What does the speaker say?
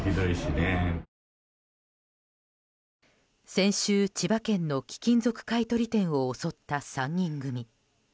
先週、千葉県の貴金属買い取り店を襲った３人組。